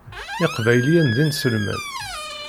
Iqbayliyen d inselmen.